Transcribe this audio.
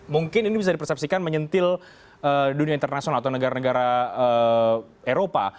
mungkin ini bisa dipersepsikan menyentil dunia internasional atau negara negara eropa